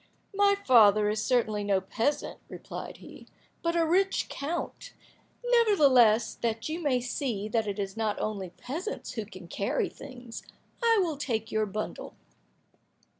"My father is certainly no peasant," replied he, "but a rich count; nevertheless, that you may see that it is not only peasants who can carry things, I will take your bundle."